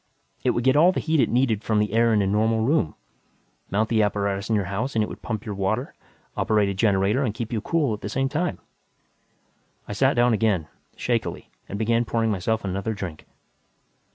It would get all the heat it needed from the air in a normal room. Mount the apparatus in your house and it would pump your water, operate a generator and keep you cool at the same time!" I sat down again, shakily, and began pouring myself another drink.